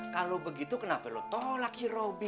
kalau begitu kenapa lo tolak si robi